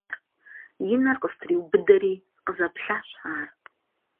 И нэр къыстриубыдэри къызэплъащ ар.